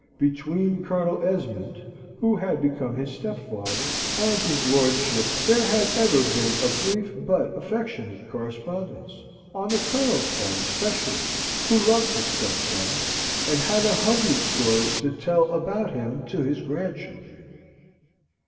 Between Colonel Esmond, who had become his stepfather, and his lordship there had ever been a brief but affectionate correspondence on the Colonel's part especially, who loved his stepson, and had a hundred stories to tell about him to his grandchildren.